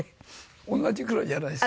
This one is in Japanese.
同じぐらいじゃないですか？